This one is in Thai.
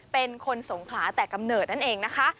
เป็นคนสงขลาแต่กำเนิดนั่นเองนะคะ